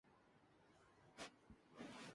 ریاست جسم کی طرح ہوتی ہے۔